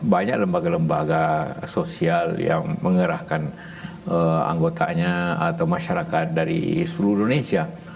banyak lembaga lembaga sosial yang mengerahkan anggotanya atau masyarakat dari seluruh indonesia